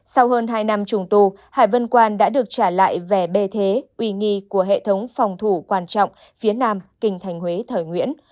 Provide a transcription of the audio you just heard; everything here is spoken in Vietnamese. sau hơn hai năm trùng tu hải vân quan đã được trả lại vẻ bề thế uy nghi của hệ thống phòng thủ quan trọng phía nam kinh thành huế thời nguyễn